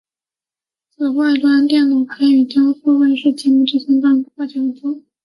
此外端脑还与江苏卫视节目最强大脑跨界合作。